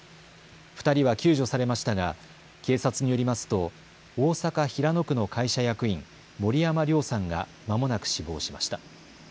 ２人は救助されましたが警察によりますと大阪平野区の会社役員、森山亮さんがまもなく死亡しました。